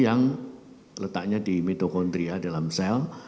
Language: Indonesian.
yang letaknya di mitokondria dalam sel